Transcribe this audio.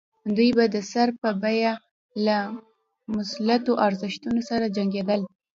دوی به د سر په بیه له مسلطو ارزښتونو سره جنګېدل.